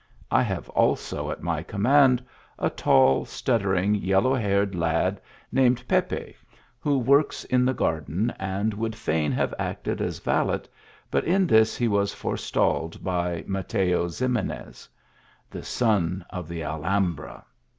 I have also at my com mand a tall, stuttering, yellow haired lad named Pepe, who works in the garden, and would fain have acted as valet, but in this he was forestalled by Mateo Ximenes, " The son of the Alhambra."